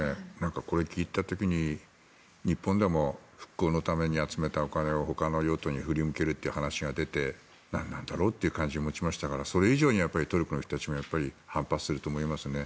これ聞いた時に、日本でも復興のために集めたお金をほかの用途に振り向けるという話が出てなんなんだろうっていう感じを持ちましたからそれ以上にトルコの人たちも反発すると思いますね。